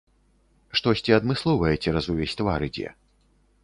Штосьці адмысловае цераз увесь твар ідзе.